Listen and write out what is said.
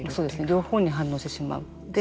両方に反応してしまう。